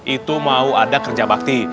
itu mau ada kerja bakti